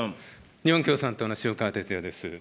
日本共産党の塩川鉄也です。